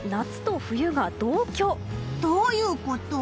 どういうこと？